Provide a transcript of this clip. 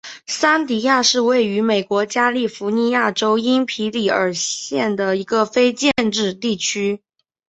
桑迪亚是位于美国加利福尼亚州因皮里尔县的一个非建制地区。